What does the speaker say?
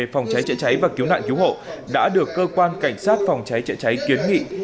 phòng cháy chữa cháy và cứu nạn cứu hộ đã được cơ quan cảnh sát phòng cháy chữa cháy kiến nghị